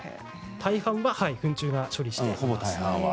大半は糞虫が処理をしています。